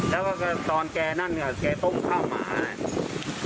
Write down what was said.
แล้วก็ตอนแกนั่นแกต้มข้าวหมา